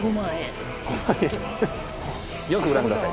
よくご覧ください。